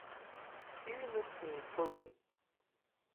Сыҩны снеиԥылеит.